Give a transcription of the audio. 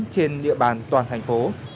trên địa bàn toàn thành phố